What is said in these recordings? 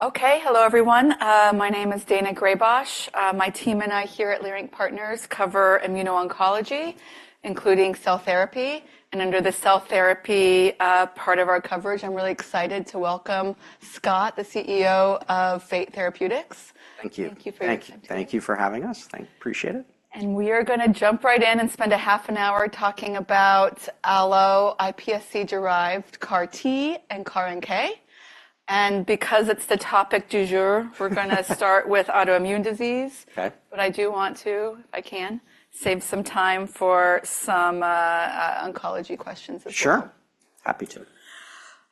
Okay. Hello, everyone. My name is Daina Graybosch. My team and I here at Leerink Partners cover immuno-oncology, including cell therapy. And under the cell therapy part of our coverage, I'm really excited to welcome Scott, the CEO of Fate Therapeutics. Thank you. Thank you for your time. Thank you. Thank you for having us. Appreciate it. We are gonna jump right in and spend a half an hour talking about allo-iPSC-derived CAR T and CAR NK. Because it's the topic du jour, we're gonna start with autoimmune disease. Okay. But I do want to save some time for some oncology questions as well. Sure. Happy to.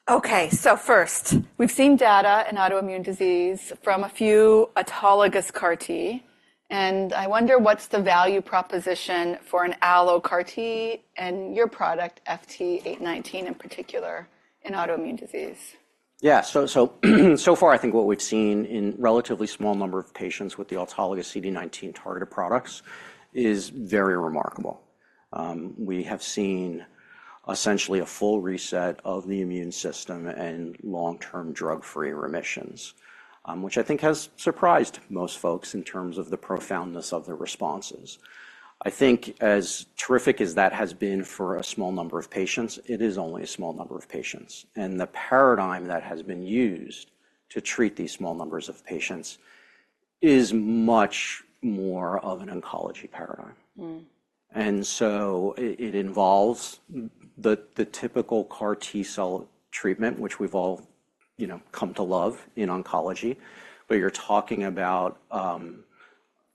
Okay, so first, we've seen data in autoimmune disease from a few autologous CAR T, and I wonder, what's the value proposition for an allo CAR T and your product, FT819, in particular, in autoimmune disease? Yeah, so far, I think what we've seen in relatively small number of patients with the autologous CD19-targeted products is very remarkable. We have seen essentially a full reset of the immune system and long-term drug-free remissions, which I think has surprised most folks in terms of the profoundness of the responses. I think as terrific as that has been for a small number of patients, it is only a small number of patients, and the paradigm that has been used to treat these small numbers of patients is much more of an oncology paradigm. Mm-hmm. And so it involves the typical CAR T cell treatment, which we've all, you know, come to love in oncology, but you're talking about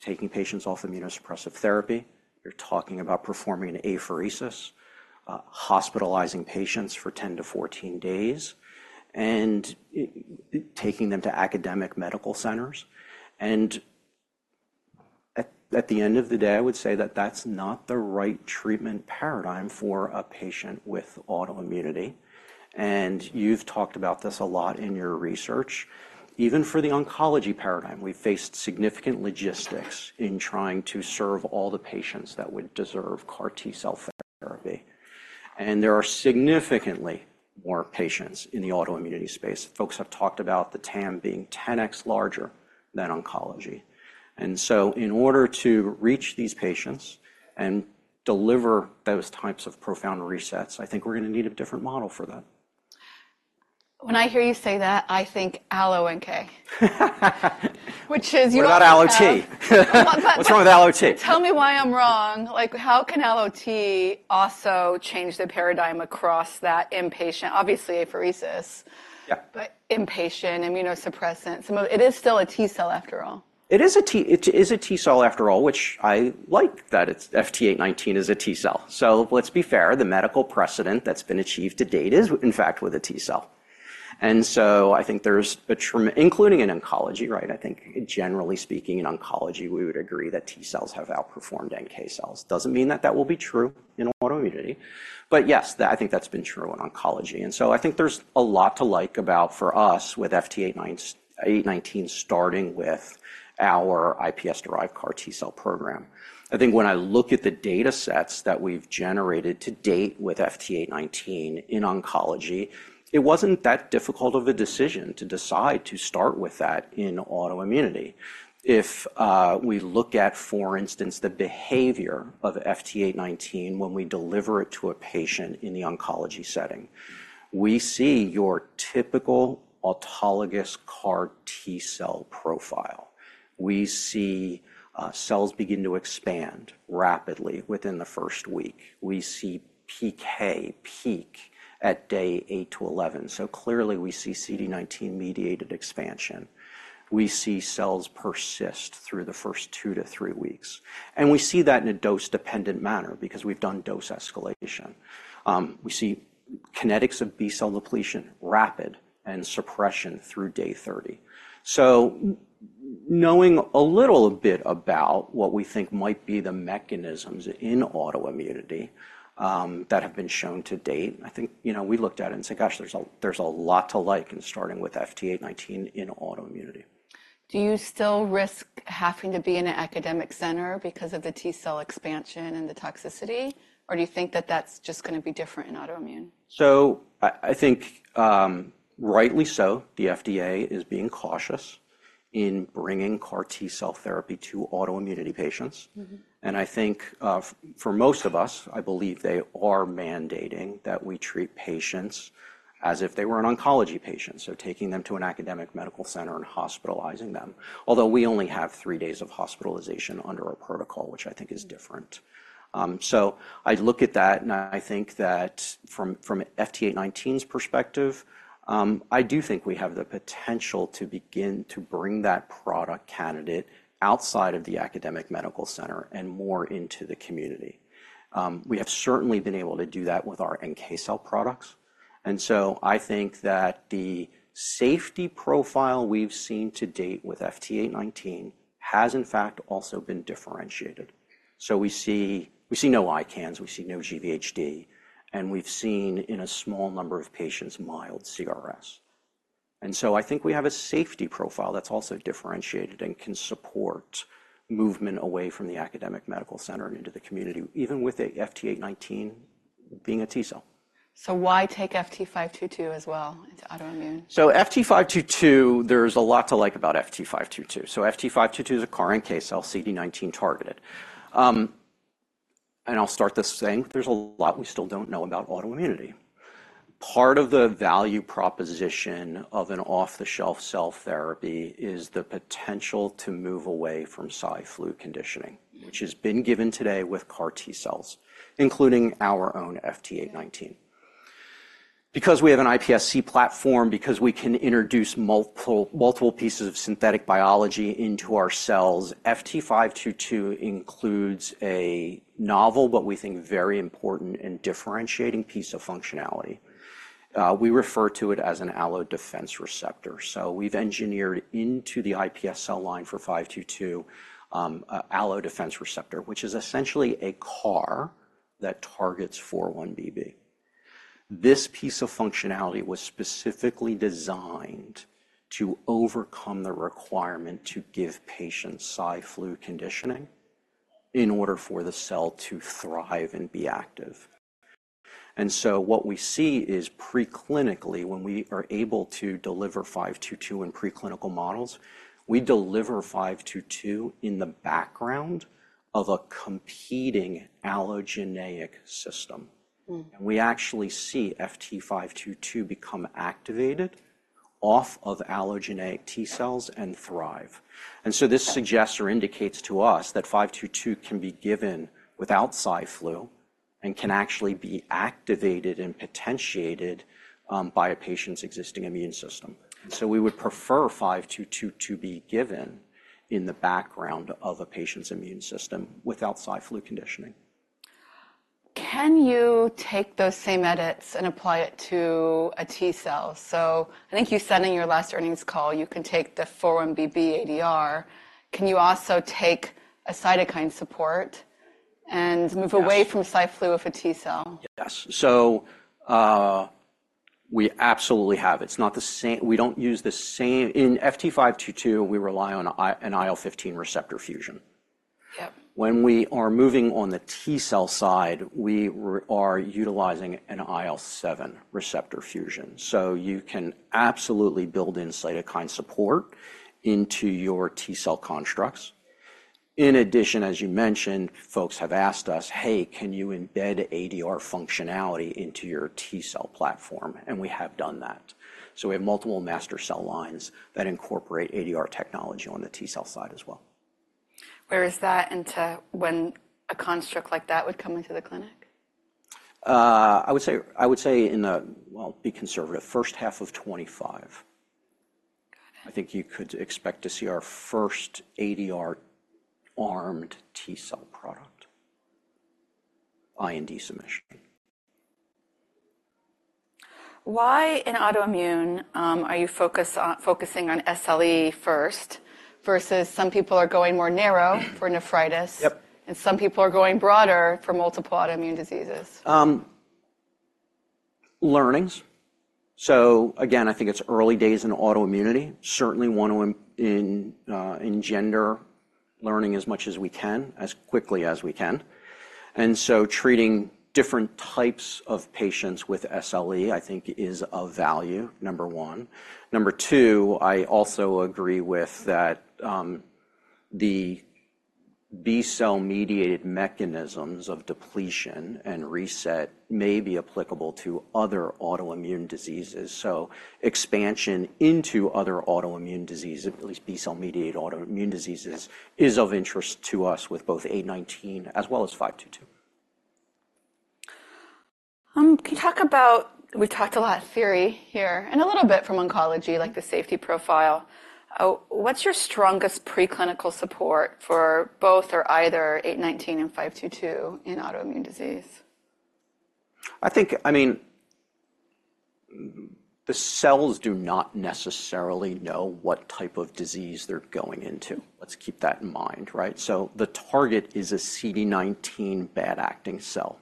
taking patients off immunosuppressive therapy. You're talking about performing apheresis, hospitalizing patients for 10-14 days, and taking them to academic medical centers. And at the end of the day, I would say that that's not the right treatment paradigm for a patient with autoimmunity, and you've talked about this a lot in your research. Even for the oncology paradigm, we faced significant logistics in trying to serve all the patients that would deserve CAR T cell therapy, and there are significantly more patients in the autoimmunity space. Folks have talked about the TAM being 10x larger than oncology. In order to reach these patients and deliver those types of profound resets, I think we're gonna need a different model for that. When I hear you say that, I think allo NK. Which is you- What about allo T? But, but- What's wrong with allo T? Tell me why I'm wrong. Like, how can allo T also change the paradigm across that inpatient? Obviously, apheresis- Yeah. but inpatient immunosuppressant. Some of it is still a T cell, after all. It is a T, it is a T cell, after all, which I like that it's, FT819 is a T cell. So let's be fair, the medical precedent that's been achieved to date is, in fact, with a T cell. And so I think there's, including in oncology, right? I think generally speaking, in oncology, we would agree that T cells have outperformed NK cells. Doesn't mean that that will be true in autoimmunity, but yes, that I think that's been true in oncology. And so I think there's a lot to like about for us with FT819, starting with our iPS-derived CAR T cell program. I think when I look at the data sets that we've generated to date with FT819 in oncology, it wasn't that difficult of a decision to decide to start with that in autoimmunity. If we look at, for instance, the behavior of FT819 when we deliver it to a patient in the oncology setting, we see your typical autologous CAR T cell profile. We see cells begin to expand rapidly within the first week. We see PK peak at day eight to 11. So clearly, we see CD19-mediated expansion. We see cells persist through the first two to three weeks, and we see that in a dose-dependent manner because we've done dose escalation. We see kinetics of B-cell depletion, rapid and suppression through day 30. So knowing a little bit about what we think might be the mechanisms in autoimmunity, that have been shown to date, I think, you know, we looked at it and said, "Gosh, there's a, there's a lot to like in starting with FT819 in autoimmunity. Do you still risk having to be in an academic center because of the T cell expansion and the toxicity, or do you think that that's just gonna be different in autoimmune? I think, rightly so, the FDA is being cautious in bringing CAR T cell therapy to autoimmune patients. Mm-hmm. I think, for most of us, I believe they are mandating that we treat patients as if they were an oncology patient, so taking them to an academic medical center and hospitalizing them. Although we only have three days of hospitalization under our protocol, which I think is different. So I look at that, and I think that from, from FT819's perspective, I do think we have the potential to begin to bring that product candidate outside of the academic medical center and more into the community. We have certainly been able to do that with our NK cell products, and so I think that the safety profile we've seen to date with FT819 has, in fact, also been differentiated. So we see, we see no ICANS, we see no GVHD, and we've seen, in a small number of patients, mild CRS. And so I think we have a safety profile that's also differentiated and can support movement away from the academic medical center and into the community, even with a FT819 being a T cell. So why take FT522 as well? It's autoimmune. So FT522, there's a lot to like about FT522. So FT522 is a CAR NK cell CD19-targeted. And I'll start by saying there's a lot we still don't know about autoimmunity. Part of the value proposition of an off-the-shelf cell therapy is the potential to move away from cy/flu conditioning, which has been given today with CAR T cells, including our own FT819. Because we have an iPSC platform, because we can introduce multiple, multiple pieces of synthetic biology into our cells, FT522 includes a novel but we think very important and differentiating piece of functionality. We refer to it as an allodefense receptor. So we've engineered into the iPS cell line for FT522 an allodefense receptor, which is essentially a CAR that targets 4-1BB. This piece of functionality was specifically designed to overcome the requirement to give patients cy/flu conditioning in order for the cell to thrive and be active. And so what we see is preclinically, when we are able to deliver FT522 in preclinical models, we deliver FT522 in the background of a competing allogeneic system. Mm. We actually see FT522 become activated off of allogeneic T cells and thrive. So this suggests or indicates to us that FT522 can be given without cy/flu and can actually be activated and potentiated by a patient's existing immune system. So we would prefer FT522 to be given in the background of a patient's immune system without cy/flu conditioning. Can you take those same edits and apply it to a T cell? So I think you said in your last earnings call, you can take the 4-1BB ADR. Can you also take a cytokine support and- Yes. Move away from cy/flu of a T cell? Yes. So, we absolutely have. It's not the same. We don't use the same. In FT522, we rely on an IL-15 receptor fusion. Yep. When we are moving on the T cell side, we are utilizing an IL-7 receptor fusion. So you can absolutely build in cytokine support into your T cell constructs. In addition, as you mentioned, folks have asked us, "Hey, can you embed ADR functionality into your T cell platform?" And we have done that. So we have multiple master cell lines that incorporate ADR technology on the T cell side as well. Where is that into when a construct like that would come into the clinic? I would say, I would say in the, well, be conservative, first half of 2025. Got it. I think you could expect to see our first ADR-armed T cell product, IND submission. Why in autoimmune, are you focusing on SLE first, versus some people are going more narrow for nephritis- Yep. And some people are going broader for multiple autoimmune diseases? Learnings. So again, I think it's early days in autoimmunity. Certainly, want to engender learning as much as we can, as quickly as we can. And so treating different types of patients with SLE, I think, is of value, number one. Number two, I also agree with that, the B-cell-mediated mechanisms of depletion and reset may be applicable to other autoimmune diseases. So expansion into other autoimmune disease, at least B-cell-mediated autoimmune diseases, is of value to us with both 819 as well as 522. Can you talk about... We've talked a lot theory here and a little bit from oncology, like the safety profile. What's your strongest preclinical support for both or either 819 and 522 in autoimmune disease? I think, I mean, the cells do not necessarily know what type of disease they're going into. Let's keep that in mind, right? So the target is a CD19 bad-acting cell,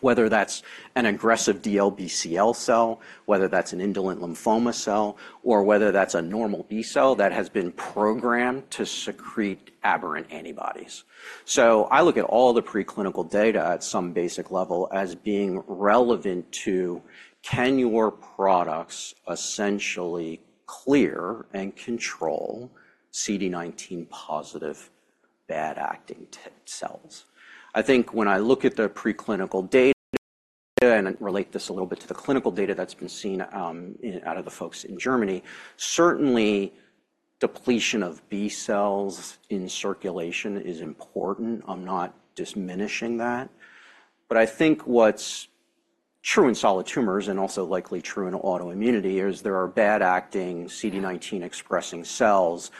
whether that's an aggressive DLBCL cell, whether that's an indolent lymphoma cell, or whether that's a normal B cell that has been programmed to secrete aberrant antibodies. So I look at all the preclinical data at some basic level as being relevant to: Can your products essentially clear and control CD19-positive bad-acting T cells? I think when I look at the preclinical data, and I relate this a little bit to the clinical data that's been seen out of the folks in Germany, certainly, depletion of B cells in circulation is important. I'm not diminishing that. But I think what's true in solid tumors, and also likely true in autoimmunity, is there are bad-acting CD19-expressing cells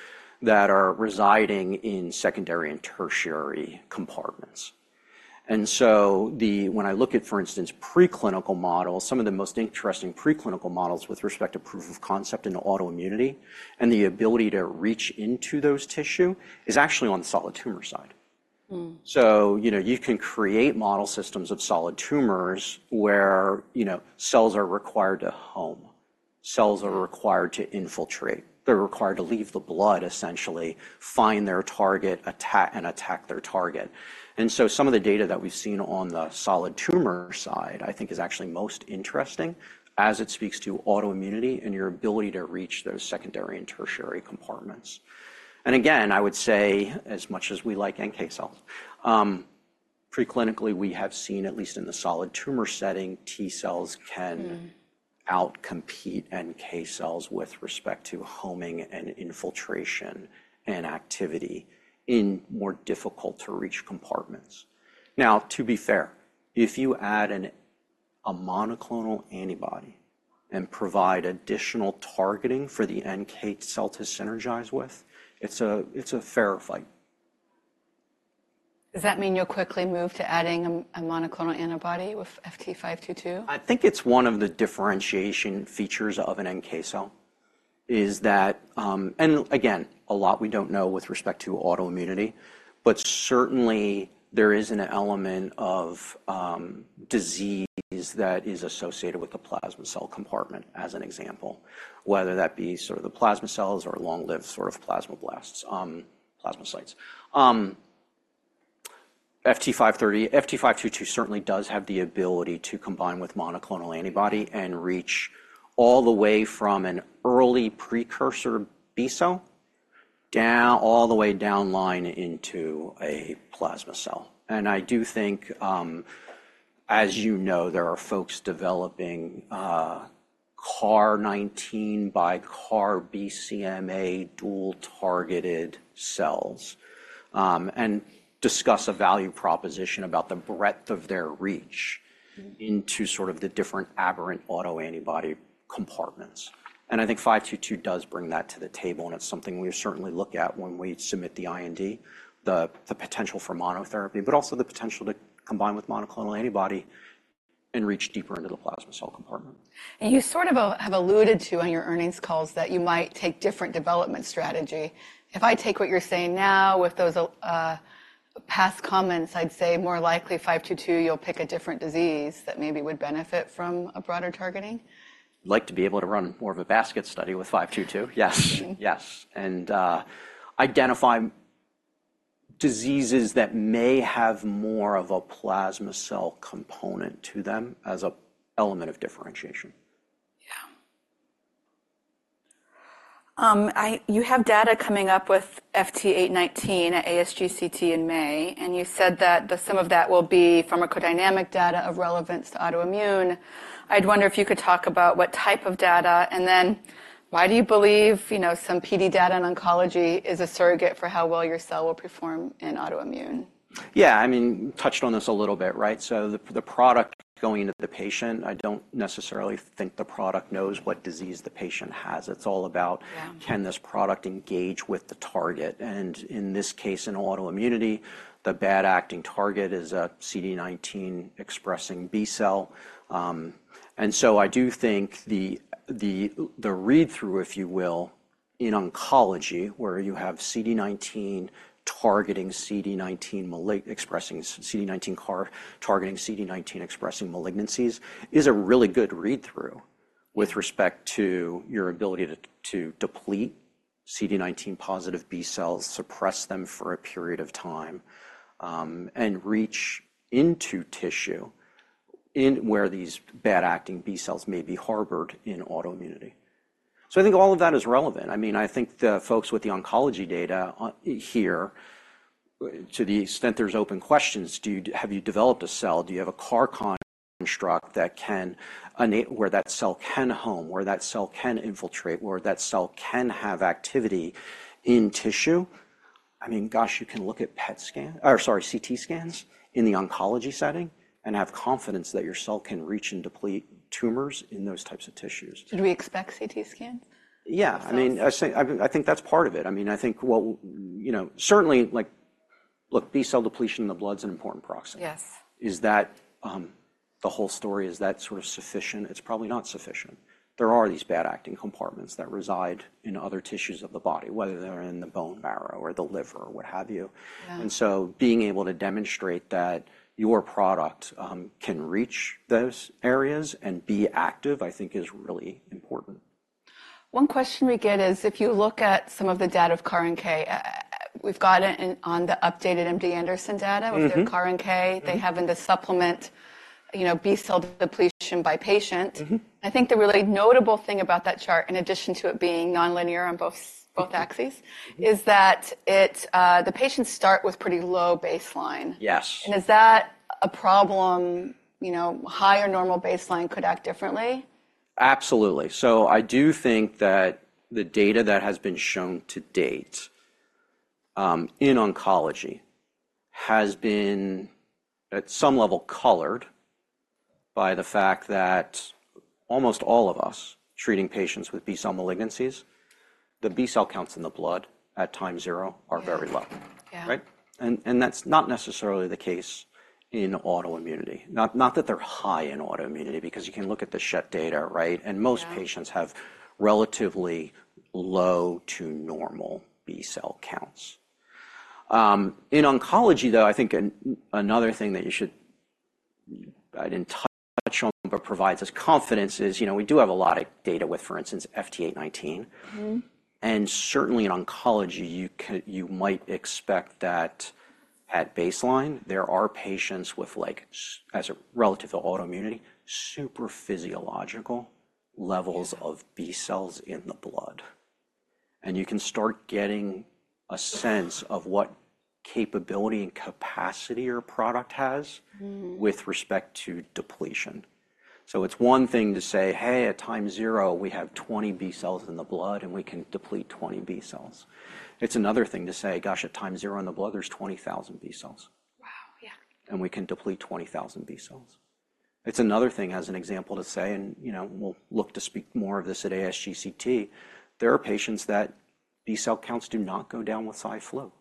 that are residing in secondary and tertiary compartments. And so, when I look at, for instance, preclinical models, some of the most interesting preclinical models with respect to proof of concept in autoimmunity and the ability to reach into those tissue is actually on the solid tumor side. Mm. So, you know, you can create model systems of solid tumors where, you know, cells are required to home... cells are required to infiltrate. They're required to leave the blood, essentially, find their target, attack, and attack their target. And so some of the data that we've seen on the solid tumor side, I think, is actually most interesting as it speaks to autoimmunity and your ability to reach those secondary and tertiary compartments. And again, I would say, as much as we like NK cells, preclinically, we have seen, at least in the solid tumor setting, T cells can- Mm. Outcompete NK cells with respect to homing and infiltration and activity in more difficult-to-reach compartments. Now, to be fair, if you add a monoclonal antibody and provide additional targeting for the NK cell to synergize with, it's a fair fight. Does that mean you'll quickly move to adding a monoclonal antibody with FT522? I think it's one of the differentiation features of an NK cell, is that. And again, a lot we don't know with respect to autoimmunity, but certainly there is an element of disease that is associated with the plasma cell compartment, as an example, whether that be sort of the plasma cells or long-lived sort of plasmablasts, plasmacytes. FT819, FT522 certainly does have the ability to combine with monoclonal antibody and reach all the way from an early precursor B cell, down, all the way down the line into a plasma cell. And I do think, as you know, there are folks developing CAR-19 bi-CAR-BCMA dual-targeted cells, and discuss a value proposition about the breadth of their reach- Mm. into sort of the different aberrant autoantibody compartments. And I think FT522 does bring that to the table, and it's something we certainly look at when we submit the IND, the potential for monotherapy, but also the potential to combine with monoclonal antibody and reach deeper into the plasma cell compartment. You sort of have alluded to on your earnings calls that you might take different development strategy. If I take what you're saying now, with those past comments, I'd say more likely 522, you'll pick a different disease that maybe would benefit from a broader targeting? I'd like to be able to run more of a basket study with FT522. Yes. Mm. Yes, and identify diseases that may have more of a plasma cell component to them as an element of differentiation. Yeah. You have data coming up with FT819 at ASGCT in May, and you said that some of that will be pharmacodynamic data of relevance to autoimmune. I'd wonder if you could talk about what type of data, and then why do you believe, you know, some PD data in oncology is a surrogate for how well your cell will perform in autoimmune? Yeah, I mean, touched on this a little bit, right? So the product going into the patient, I don't necessarily think the product knows what disease the patient has. It's all about- Yeah... can this product engage with the target? And in this case, in autoimmunity, the bad acting target is a CD19 expressing B cell. And so I do think the read-through, if you will, in oncology, where you have CD19 targeting CD19 expressing CD19 CAR, targeting CD19-expressing malignancies, is a really good read-through with respect to your ability to deplete CD19 positive B cells, suppress them for a period of time, and reach into tissue where these bad-acting B cells may be harbored in autoimmunity. So I think all of that is relevant. I mean, I think the folks with the oncology data on here, to the extent there's open questions, have you developed a cell? Do you have a CAR construct where that cell can home, where that cell can infiltrate, where that cell can have activity in tissue? I mean, gosh, you can look at PET scan, or sorry, CT scans in the oncology setting and have confidence that your cell can reach and deplete tumors in those types of tissues. Do we expect CT scans? Yeah. Of cells? I mean, I think that's part of it. I mean, I think, well, you know, certainly, like, look, B-cell depletion in the blood is an important proxy. Yes. Is that, the whole story, is that sort of sufficient? It's probably not sufficient. There are these bad acting compartments that reside in other tissues of the body, whether they're in the bone marrow or the liver, what have you. Yeah. And so being able to demonstrate that your product can reach those areas and be active, I think is really important. One question we get is, if you look at some of the data of CAR NK, we've got it in, on the updated MD Anderson data- Mm-hmm. with their CAR NK. Mm. They have in the supplement, you know, B-cell depletion by patient. Mm-hmm. I think the really notable thing about that chart, in addition to it being nonlinear on both axes- Mm... is that it, the patients start with pretty low baseline. Yes. Is that a problem? You know, higher normal baseline could act differently. Absolutely. So I do think that the data that has been shown to date, in oncology, has been, at some level, colored by the fact that almost all of us treating patients with B-cell malignancies, the B-cell counts in the blood at time zero are very low. Yeah. Yeah. Right? And, and that's not necessarily the case in autoimmunity. Not, not that they're high in autoimmunity, because you can look at the Schett data, right? Yeah. Most patients have relatively low to normal B-cell counts. In oncology, though, I think another thing that I didn't touch on, but provides us confidence is, you know, we do have a lot of data with, for instance, FT819. Mm-hmm. And certainly in oncology, you might expect that at baseline there are patients with like as a relative to autoimmunity, super physiological levels of B cells in the blood. And you can start getting a sense of what capability and capacity your product has- Mm. With respect to depletion. So it's one thing to say, "Hey, at time zero, we have 20 B cells in the blood, and we can deplete 20 B cells." It's another thing to say, "Gosh, at time zero in the blood, there's 20,000 B cells. Wow! Yeah. We can deplete 20,000 B cells. It's another thing, as an example, to say, and, you know, we'll look to speak more of this at ASGCT, there are patients that B cell counts do not go down with cy/flu.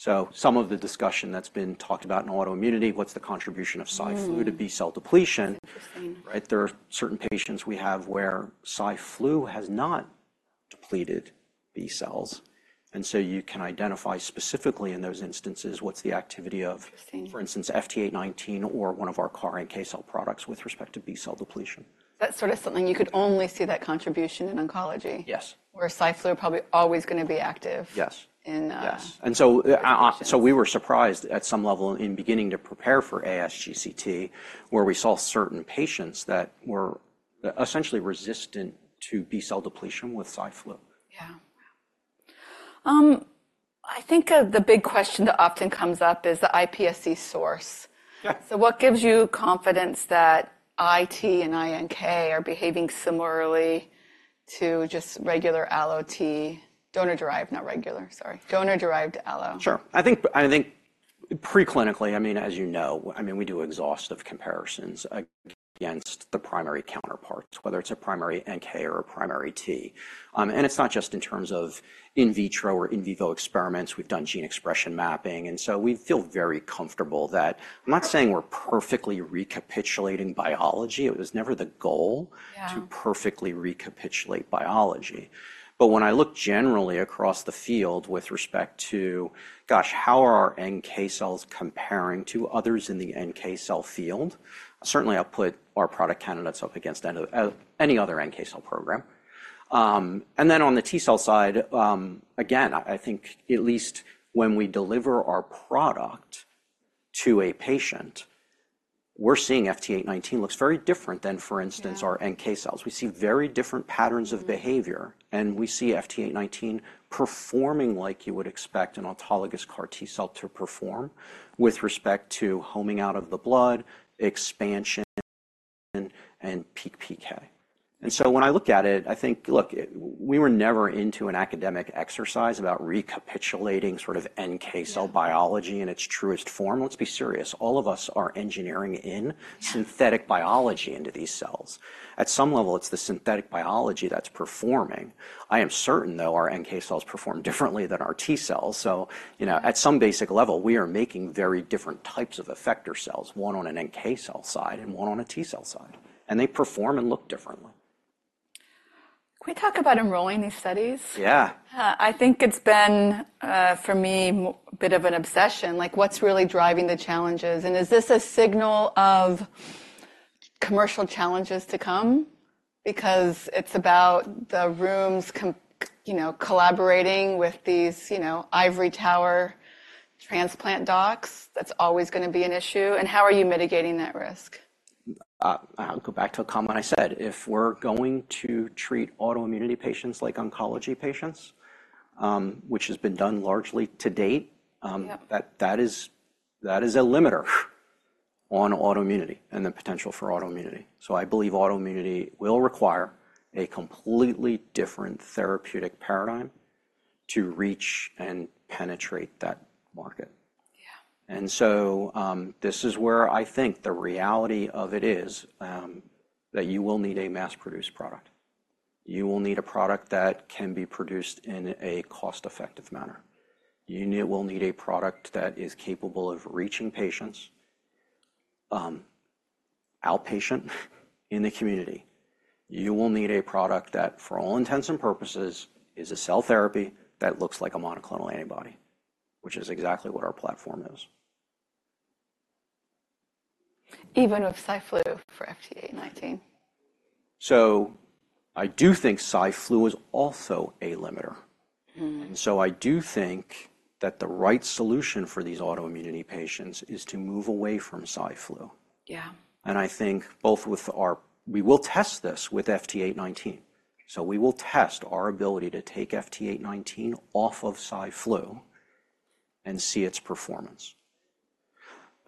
So some of the discussion that's been talked about in autoimmunity, what's the contribution of cy/flu- Mm. to B cell depletion? Interesting. Right? There are certain patients we have where cy/flu has not depleted B cells, and so you can identify specifically in those instances what's the activity of- Interesting. For instance, FT819 or one of our CAR NK cell products with respect to B cell depletion. That's sort of something you could only see that contribution in oncology? Yes. Where cy/flu are probably always gonna be active- Yes. -in, uh- Yes. And so, we were surprised at some level in beginning to prepare for ASGCT, where we saw certain patients that were essentially resistant to B cell depletion with cy/flu. Yeah. I think, the big question that often comes up is the iPSC source. Yeah. So what gives you confidence that iT and iNK are behaving similarly to just regular allo T, donor-derived, not regular, sorry, donor-derived allo? Sure. I think, preclinically, I mean, as you know, I mean, we do exhaustive comparisons against the primary counterparts, whether it's a primary NK or a primary T. And it's not just in terms of in vitro or in vivo experiments. We've done gene expression mapping, and so we feel very comfortable that... I'm not saying we're perfectly recapitulating biology. It was never the goal- Yeah... to perfectly recapitulate biology. But when I look generally across the field with respect to, gosh, how are our NK cells comparing to others in the NK cell field? Certainly, I'll put our product candidates up against any other NK cell program. And then on the T cell side, again, I think at least when we deliver our product to a patient, we're seeing FT819 looks very different than, for instance- Yeah... our NK cells. We see very different patterns of behavior, and we see FT819 performing like you would expect an autologous CAR T cell to perform, with respect to homing out of the blood, expansion, and peak PK. And so when I look at it, I think, look, we were never into an academic exercise about recapitulating sort of NK cell- Yeah... biology in its truest form. Let's be serious. All of us are engineering in- Yeah... synthetic biology into these cells. At some level, it's the synthetic biology that's performing. I am certain, though, our NK cells perform differently than our T cells, so, you know, at some basic level, we are making very different types of effector cells, one on an NK cell side and one on a T cell side, and they perform and look differently. Can we talk about enrolling these studies? Yeah. I think it's been for me a bit of an obsession, like what's really driving the challenges, and is this a signal of commercial challenges to come? Because it's about the rooms, you know, collaborating with these, you know, ivory tower transplant docs. That's always gonna be an issue, and how are you mitigating that risk? I'll go back to a comment I said. If we're going to treat autoimmune patients like oncology patients, which has been done largely to date- Yeah... that is a limiter on autoimmunity and the potential for autoimmunity. So I believe autoimmunity will require a completely different therapeutic paradigm to reach and penetrate that market. Yeah. This is where I think the reality of it is, that you will need a mass-produced product. You will need a product that can be produced in a cost-effective manner. You will need a product that is capable of reaching patients, outpatient, in the community. You will need a product that, for all intents and purposes, is a cell therapy that looks like a monoclonal antibody, which is exactly what our platform is. Even with cy/flu for FT819? I do think cy/flu is also a limiter. Mm. I do think that the right solution for these autoimmune patients is to move away from cy/flu. Yeah. And I think we will test this with FT819. So we will test our ability to take FT819 off of cy/flu and see its performance.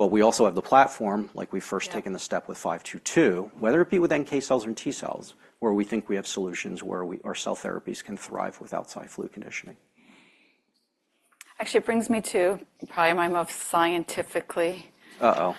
But we also have the platform, like we've first- Yeah... taken the step with FT522, whether it be with NK cells or T cells, where we think we have solutions where we, our cell therapies can thrive without cy/flu conditioning. Actually, it brings me to probably my most scientifically- Uh-oh.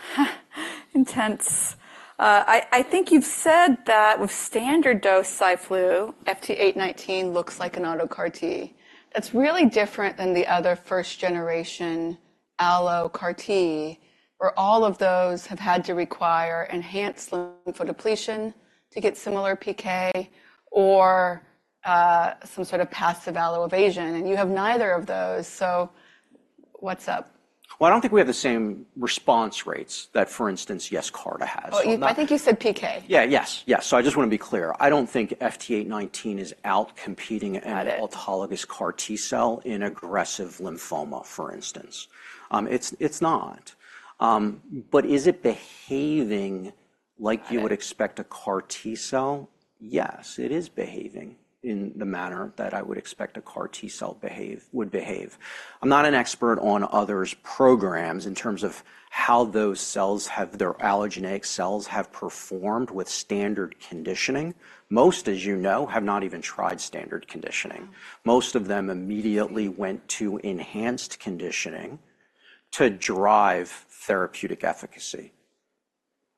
intense. I think you've said that with standard-dose cy/flu, FT819 looks like an auto CAR T. That's really different than the other first-generation allo CAR T, where all of those have had to require enhanced lymphodepletion to get similar PK, or some sort of passive allo evasion, and you have neither of those. So what's up? Well, I don't think we have the same response rates that, for instance, Yescarta. Oh, I think you said PK. Yeah. Yes, yes. I just want to be clear. I don't think FT819 is outcompeting- Got it an autologous CAR T cell in aggressive lymphoma, for instance. It's, it's not. But is it behaving like- Got it You would expect a CAR T cell? Yes, it is behaving in the manner that I would expect a CAR T cell would behave. I'm not an expert on others' programs in terms of how their allogeneic cells have performed with standard conditioning. Most, as you know, have not even tried standard conditioning. Mm. Most of them immediately went to enhanced conditioning to drive therapeutic efficacy.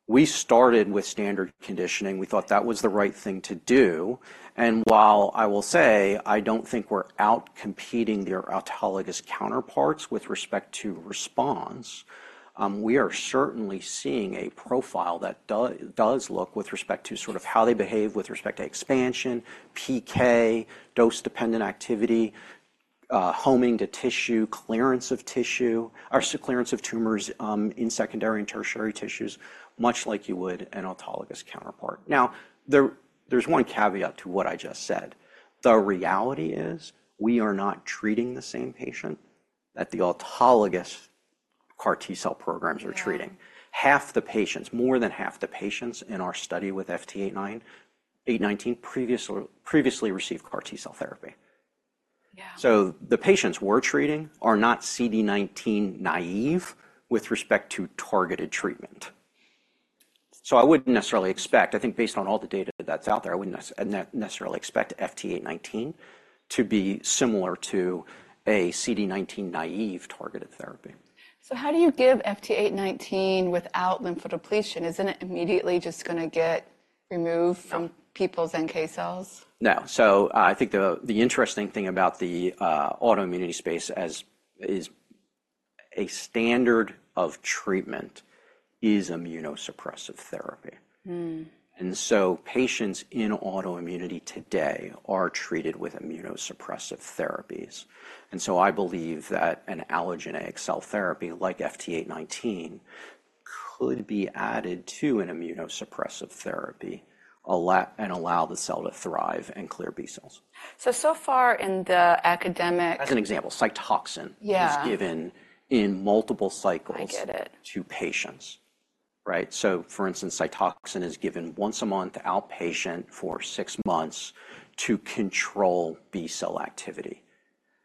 We started with standard conditioning. We thought that was the right thing to do, and while I will say I don't think we're outcompeting their autologous counterparts with respect to response, we are certainly seeing a profile that does look with respect to sort of how they behave with respect to expansion, PK, dose-dependent activity, homing to tissue, clearance of tissue, or clearance of tumors, in secondary and tertiary tissues, much like you would an autologous counterpart. Now, there's one caveat to what I just said. The reality is, we are not treating the same patient that the autologous CAR T cell programs are treating. Yeah. Half the patients, more than half the patients in our study with FT819 previously, previously received CAR T cell therapy. Yeah. So the patients we're treating are not CD19 naive with respect to targeted treatment. So I wouldn't necessarily expect, I think based on all the data that's out there, I wouldn't necessarily expect FT819 to be similar to a CD19-naive targeted therapy. How do you give FT819 without lymphodepletion? Isn't it immediately just gonna get removed from people's NK cells? No. So, I think the interesting thing about the autoimmunity space as is a standard of treatment is immunosuppressive therapy. Mm. Patients in autoimmunity today are treated with immunosuppressive therapies. I believe that an allogeneic cell therapy, like FT819, could be added to an immunosuppressive therapy, and allow the cell to thrive and clear B cells. So, so far in the academic- As an example, Cytoxan- Yeah is given in multiple cycles. I get it.... to patients, right? So for instance, Cytoxan is given once a month outpatient for six months to control B cell activity.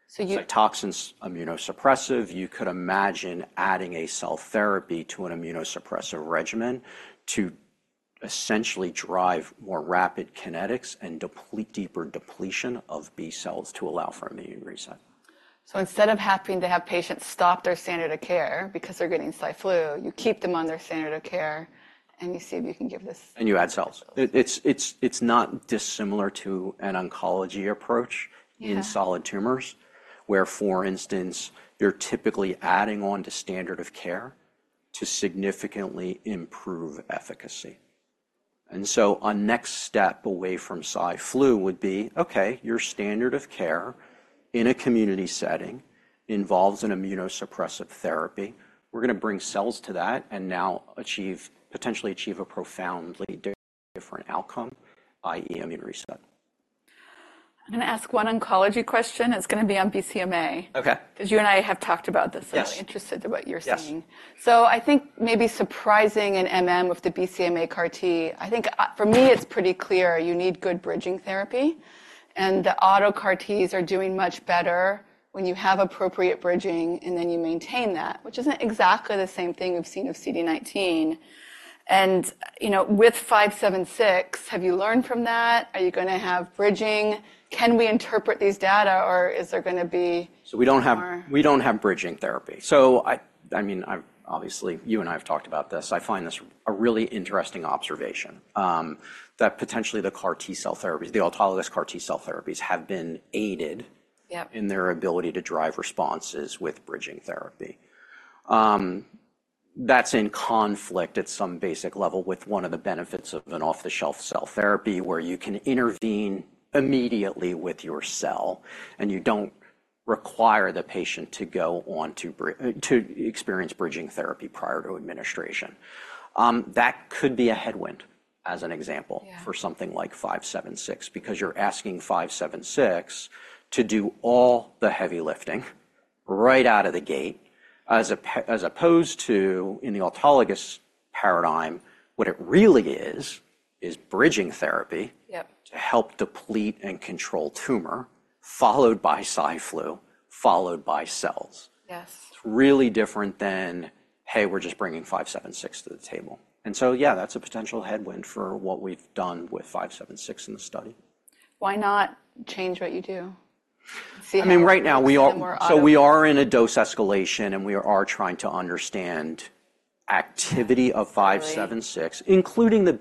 So you- Cytoxan's immunosuppressive. You could imagine adding a cell therapy to an immunosuppressive regimen to essentially drive more rapid kinetics and deplete deeper depletion of B cells to allow for immune reset. So instead of having to have patients stop their standard of care because they're getting cy/flu, you keep them on their standard of care, and you see if you can give this? You add cells. It's not dissimilar to an oncology approach- Yeah in solid tumors, where, for instance, you're typically adding on to standard of care to significantly improve efficacy. And so a next step away from cy/flu would be, okay, your standard of care in a community setting involves an immunosuppressive therapy. We're gonna bring cells to that and now achieve, potentially achieve a profoundly different outcome, i.e., immune reset. I'm gonna ask one oncology question. It's gonna be on BCMA. Okay. 'Cause you and I have talked about this- Yes... so I'm interested in what you're seeing. Yes. I think maybe surprising in MM with the BCMA CAR T, I think, for me, it's pretty clear you need good bridging therapy, and the auto CAR Ts are doing much better when you have appropriate bridging, and then you maintain that, which isn't exactly the same thing we've seen with CD19. You know, with FT576, have you learned from that? Are you gonna have bridging? Can we interpret these data, or is there gonna be- So we don't have- More? We don't have bridging therapy. So I mean, I've obviously, you and I have talked about this. I find this a really interesting observation that potentially the CAR T cell therapies, the autologous CAR T cell therapies, have been aided- Yeah... in their ability to drive responses with bridging therapy. That's in conflict at some basic level with one of the benefits of an off-the-shelf cell therapy, where you can intervene immediately with your cell, and you don't require the patient to go on to experience bridging therapy prior to administration. That could be a headwind, as an example- Yeah... for something like FT576, because you're asking FT576 to do all the heavy lifting right out of the gate, as opposed to in the autologous paradigm, what it really is, is bridging therapy- Yep... to help deplete and control tumor, followed by cy/flu, followed by cells. Yes. It's really different than, "Hey, we're just bringing FT576 to the table." And so, yeah, that's a potential headwind for what we've done with FT576 in the study. Why not change what you do? See how- I mean, right now, we are- More auto- So we are in a dose escalation, and we are trying to understand activity of FT576- Right... including the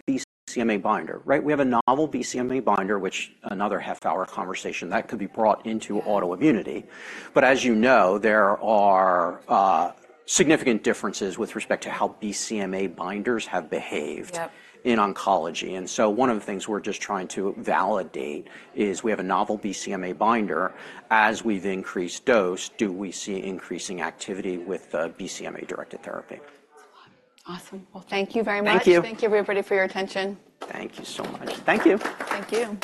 BCMA binder, right? We have a novel BCMA binder, which, another half-hour conversation, that could be brought into autoimmunity. Yeah. But as you know, there are significant differences with respect to how BCMA binders have behaved- Yep... in oncology. And so one of the things we're just trying to validate is we have a novel BCMA binder. As we've increased dose, do we see increasing activity with the BCMA-directed therapy? Awesome. Well, thank you very much. Thank you. Thank you, everybody, for your attention. Thank you so much. Thank you. Thank you.